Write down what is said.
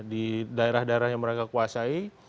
di daerah daerah yang mereka kuasai